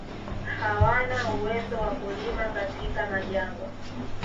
Hawana uwezo wa kulima katika majangwa